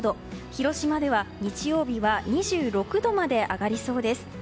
広島では日曜日は２６度まで上がりそうです。